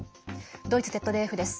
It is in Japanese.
ドイツＺＤＦです。